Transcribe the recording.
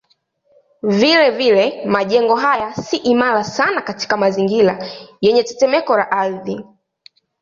Vilevile majengo haya si imara sana katika mazingira yenye tetemeko la ardhi.